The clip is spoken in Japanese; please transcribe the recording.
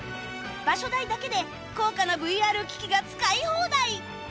場所代だけで高価な ＶＲ 機器が使い放題